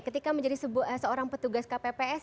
ketika menjadi seorang petugas kpps